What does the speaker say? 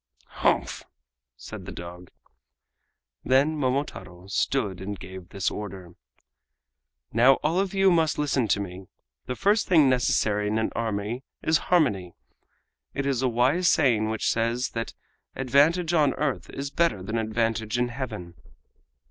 "Humph!" said the dog. Then Momotaro stood and gave this order: "Now all of you must listen to me. The first thing necessary in an army is harmony. It is a wise saying which says that 'Advantage on earth is better than advantage in Heaven!